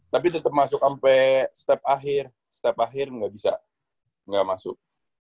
tapi tetep masuk sampe step akhir step akhir gak bisa gak masuk